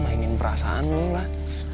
mainin perasaan lu lah